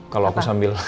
kalau aku sambil